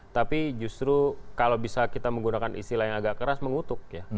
tapi justru kalau bisa kita menggunakan istilah yang agak keras mengutuk ya